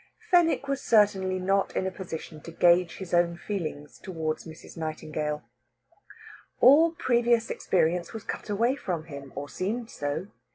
Fenwick was certainly not in a position to gauge his own feelings towards Mrs. Nightingale. All previous experience was cut away from him, or seemed so.